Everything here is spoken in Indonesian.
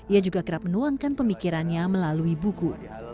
ia juga kerap menuangkan pemikirannya melalui buku